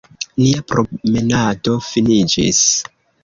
Nia promenado finiĝis.